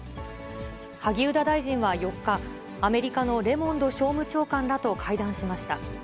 萩生田大臣は４日、アメリカのレモンド商務長官らと会談しました。